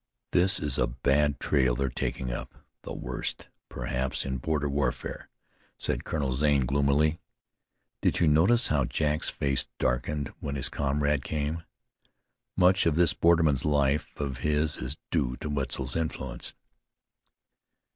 "This is a bad trail they're taking up; the worst, perhaps, in border warfare," said Colonel Zane gloomily. "Did you notice how Jack's face darkened when his comrade came? Much of this borderman life of his is due to Wetzel's influence."